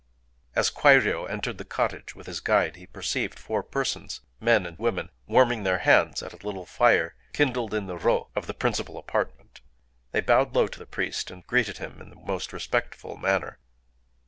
As Kwairyō entered the cottage with his guide, he perceived four persons—men and women—warming their hands at a little fire kindled in the ro of the principle apartment. They bowed low to the priest, and greeted him in the most respectful manner.